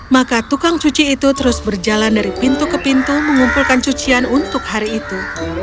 maka tukang cuci itu terus berjalan dari pintu ke pintu mengumpulkan cucian untuk hari itu